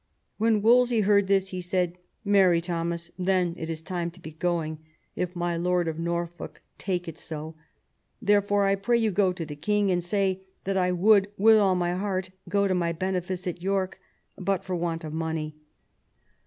When Wolsey heard this he said, " Marry, Thomas, then it is time to be going, if my lord of Norfolk take it so. Therefore I pray you go to the king and say that I would with all my heart go to my benefice at York but for want of money."